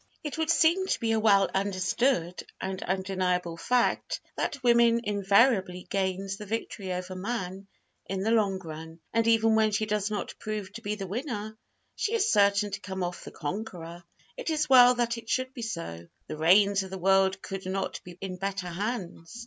It would seem to be a well understood and undeniable fact that woman invariably gains the victory over man in the long run; and even when she does not prove to be the winner, she is certain to come off the conqueror. It is well that it should be so. The reins of the world could not be in better hands!